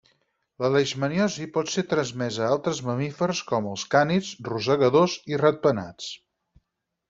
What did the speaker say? La leishmaniosi pot ser transmesa a altres mamífers com els cànids, rosegadors i ratpenats.